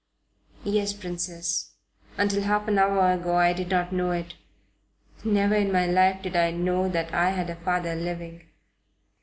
"Yes, Princess. Until half an hour ago I did not know it. Never in my life did I know that I had a father living.